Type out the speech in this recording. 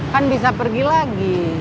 kan bisa pergi lagi